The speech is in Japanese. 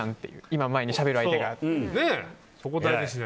今、前にしゃべる相手が。